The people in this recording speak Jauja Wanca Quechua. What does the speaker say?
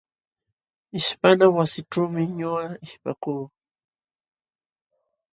Ishpana wasićhuumi ñuqa ishpakuu.